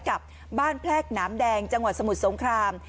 กับบ้านแพรกน้ำแดงจังหวัดสมุทรสงคราม